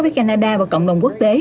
với canada và cộng đồng quốc tế